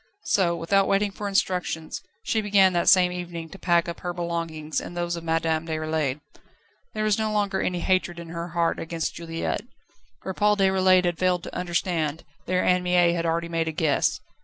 So, without waiting for instructions, she began that same evening to pack up her belongings and those of Madame Déroulède. There was no longer any hatred in her heart against Juliette. Where Paul Déroulède had failed to understand, there Anne Mie had already made a guess.